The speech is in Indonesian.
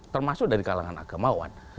termasuk dari kalangan agamawan